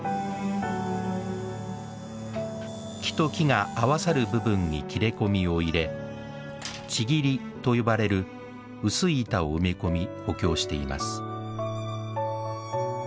木と木が合わさる部分に切れ込みを入れ「千切り」と呼ばれる薄い板を埋め込み補強しています